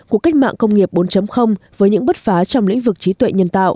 cuộc cách mạng công nghiệp bốn